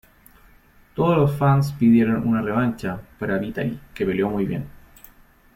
Todos los fans pidieron una revancha para Vitali que peleó muy bien.